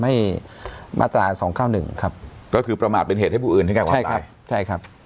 ให้มาตรา๒๑ครับก็คือประมาทเป็นเหตุให้ผู้อื่นใช่ครับ